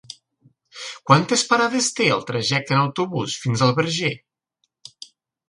Quantes parades té el trajecte en autobús fins al Verger?